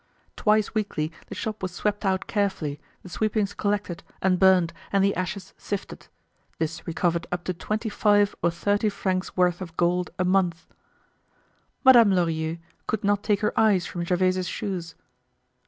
Twice weekly the shop was swept out carefully, the sweepings collected and burned and the ashes sifted. This recovered up to twenty five or thirty francs' worth of gold a month. Madame Lorilleux could not take her eyes from Gervaise's shoes.